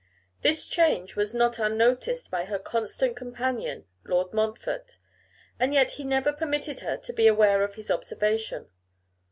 This change was not unnoticed by her constant companion Lord Montfort, and yet he never permitted her to be aware of his observation.